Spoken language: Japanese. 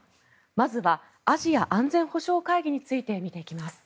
まずはアジア安全保障会議について見ていきます。